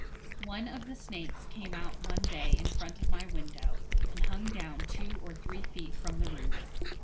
One of the snakes came out one day in front of my window, and hung down two or three feet from the roof.